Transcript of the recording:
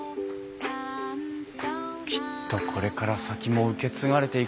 きっとこれから先も受け継がれていくんだろうなあ。